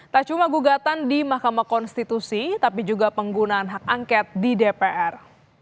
tak cuma gugatan di mahkamah konstitusi tapi juga penggunaan hak angket di dpr